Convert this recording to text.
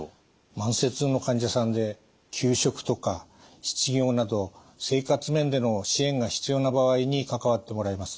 慢性痛の患者さんで休職とか失業など生活面での支援が必要な場合に関わってもらいます。